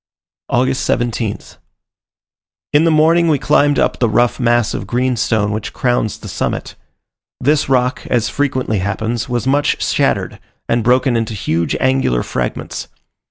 August 17th. In the morning we climbed up the rough mass of greenstone which crowns the summit. This rock, as frequently happens, was much shattered and broken into huge angular fragments.